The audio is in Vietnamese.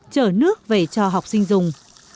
chở nước về cho học sinh dùng